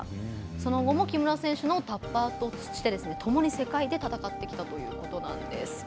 その後も木村選手のタッパーとしてともに世界で戦ってきたということなんです。